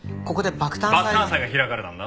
爆誕祭が開かれたんだな？